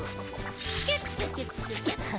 キュッキュキュッキュキュッキュ。